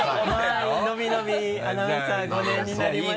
のびのびアナウンサー５年になりました。